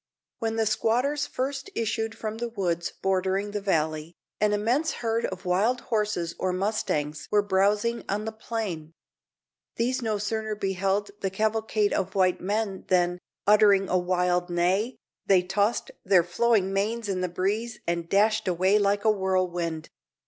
When the squatters first issued from the woods bordering the valley, an immense herd of wild horses or mustangs were browsing on the plain. These no sooner beheld the cavalcade of white men than, uttering a wild neigh, they tossed their flowing manes in the breeze and dashed away like a whirlwind.